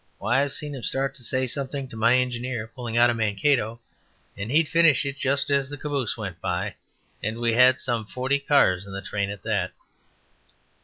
Why, I have seen him start to say something to my engineer pulling out of Mankato, and he would finish it just as the caboose went by, and we had some forty cars in the train at that."